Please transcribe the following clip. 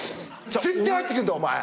絶対入ってくんなお前！